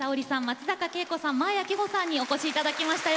松坂慶子さん、真彩希帆さんにお越しいただきました。